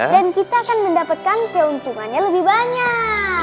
dan kita akan mendapatkan keuntungannya lebih banyak